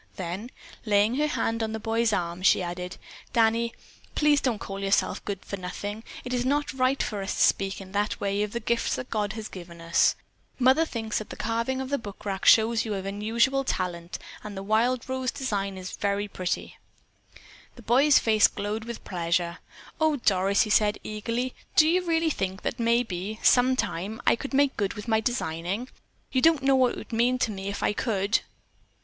Then, laying her hand on the boy's arm, she added: "Danny, please don't call yourself good for nothing. It is not right for us to speak that way of the gifts that God has given us. Mother thinks that the carving of the bookrack shows that you have unusual talent and that the wild rose design is very pretty." The boy's face glowed with pleasure. "Oh, Doris," he said eagerly, "do you really think that maybe, sometime, I could make good with my designing? You don't know what it would mean to me if I could."